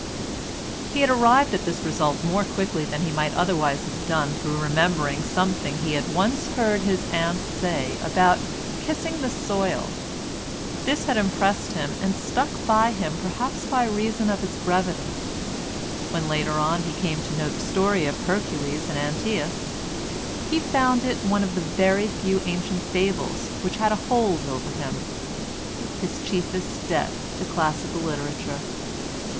He arrived at this result more quickly than he might otherwise have done through remembering something he had once heard his aunt say about "kissing the soil." This had impressed him and stuck by him perhaps by reason of its brevity; when later on he came to know the story of Hercules and Antæus, he found it one of the very few ancient fables which had a hold over him—his chiefest debt to classical literature.